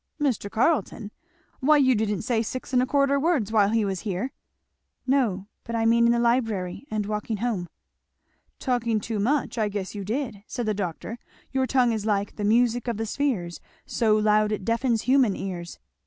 "Mr. Carleton! why you didn't say six and a quarter words while he was here." "No, but I mean in the library, and walking home." "Talking too much! I guess you did," said the doctor; "your tongue is like 'the music of the spheres, So loud it deafens human ears.'